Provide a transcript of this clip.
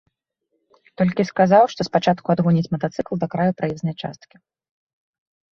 Толькі сказаў, што спачатку адгоніць матацыкл да краю праезнай часткі.